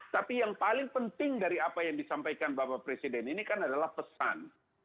tapi yang paling penting dari apa yang disampaikan bapak presiden ini kan adalah pesan